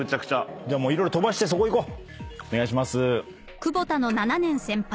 じゃあ色々飛ばしてそこいこう。お願いします。